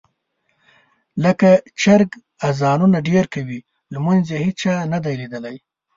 لکه چرګ اذانونه ډېر کوي، لمونځ یې هېچا نه دي لیدلی.